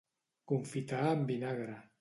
Confitar amb vinagre.